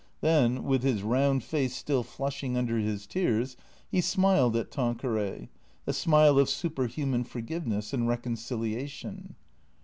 Then, with his round face still flushing under his tears, he smiled at Tanqueray, a smile of superhuman forgiveness and reconciliation.